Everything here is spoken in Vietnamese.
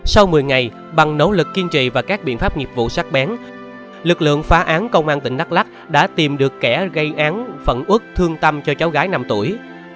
sau một mươi ngày bằng nỗ lực kiên trì và các biện pháp nghiệp vụ sát bén lực lượng phá án công an tỉnh đắk lắc đã tìm được kẻ gây án phần út thương tâm cho cháu gái năm tuổi